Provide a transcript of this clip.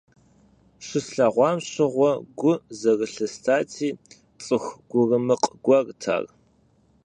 Щыслъэгъуам щыгъуэ гу зэрылъыстати, цӀыху гурымыкъ гуэрт ар.